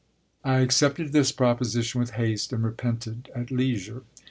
I accepted this proposition with haste, and repented at leisure.